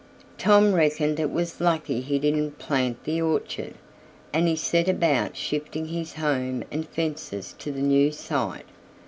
Tom reckoned it was lucky he didn't plant the orchard, and he set about shifting his home and fences to the new site.